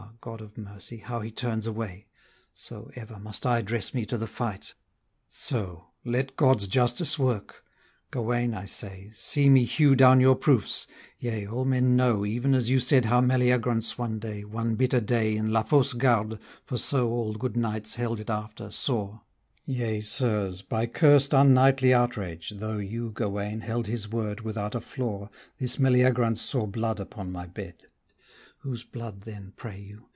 God of mercy, how he turns away! So, ever must I dress me to the fight, So: let God's justice work! Gauwaine, I say, See me hew down your proofs: yea all men know Even as you said how Mellyagraunce one day, One bitter day in la Fausse Garde, for so All good knights held it after, saw: Yea, sirs, by cursed unknightly outrage; though You, Gauwaine, held his word without a flaw, This Mellyagraunce saw blood upon my bed: Whose blood then pray you?